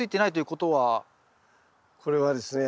これはですね